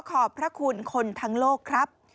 ขอบพระคุณคนทั้งโลกครับ